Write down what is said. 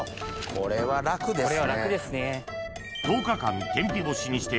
これは楽ですね。